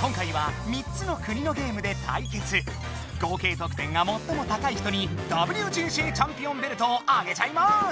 今回は合計得点がもっとも高い人にＷＧＣチャンピオンベルトをあげちゃいます！